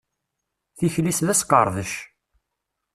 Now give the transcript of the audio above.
Tikli-s d asqeṛdec.